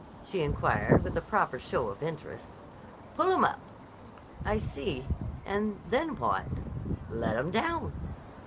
she inquired with a proper show of interest. "Pull 'em up." "I see. And then what?" "Let 'em down."